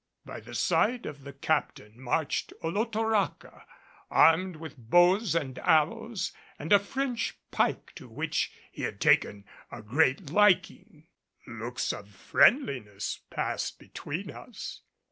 By the side of the Captain marched Olotoraca armed with bow and arrows and a French pike to which he had taken a great liking. Looks of friendliness passed between us.